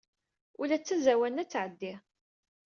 Ula d tazawwa-nni ad tɛeddi.